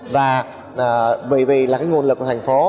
và bởi vì là cái nguồn lực của thành phố